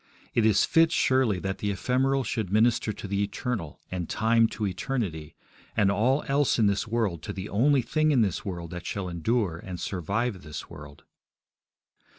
It is fit, surely, that the ephemeral should minister to the eternal, and time to eternity, and all else in this world to the only thing in this world that shall endure and survive this world.